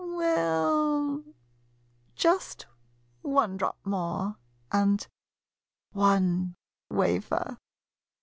Well — just one drop more, and one wafer.